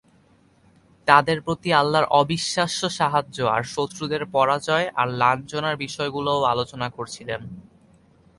তাদের প্রতি আল্লাহর অবিশ্বাস্য সাহায্য আর শত্রুদের পরাজয় আর লাঞ্ছনার বিষয়গুলোরও আলোচনা করছিলেন।